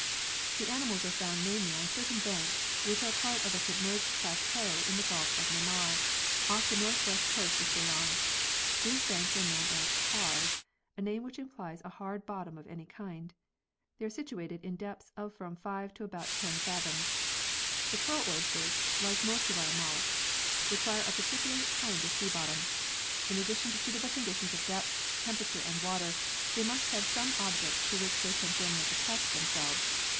The animals are found mainly on certain banks, which are part of a submerged plateau in the Gulf of Manaar, off the north west coast of Ceylon. These banks are known as " paars " a name which implies a hard bottom of any kind. They are situated in depths of from five to about ten fathoms. The pearl oysters, like most of our molluscs, require a particular kind of sea bottom. In addition iv] LIFE HISTORY AND ENVIRONMENT 47 to suitable conditions of depth, temperature and water, they must have some objects to which they can firmly attach themselves.